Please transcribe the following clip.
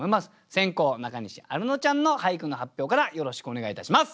先攻中西アルノちゃんの俳句の発表からよろしくお願いいたします。